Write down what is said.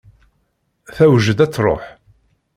Tewjed ad truḥ.